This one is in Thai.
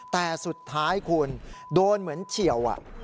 แต่สุดท้ายคุณโดนเหมือนเฉียว